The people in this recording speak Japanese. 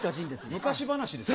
昔話ですか？